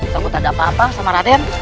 takut ada apa apa sama raden